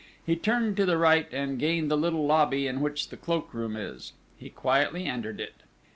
He turned to the right, and gained the little lobby in which the cloak room is. He quietly entered it.